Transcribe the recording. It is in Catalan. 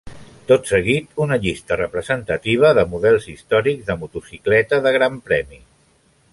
Tot seguit, una llista representativa de models històrics de motocicleta de Gran Premi.